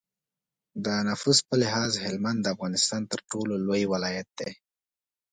د نفوس په لحاظ هلمند د افغانستان تر ټولو لوی ولایت دی.